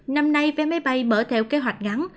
năm nay vé máy bay mở theo kế hoạch ngắn